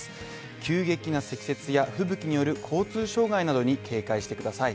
急激な積雪やふぶきによる交通障害などに警戒してください。